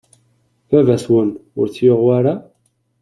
Baba-twen ur t-yuɣ wara?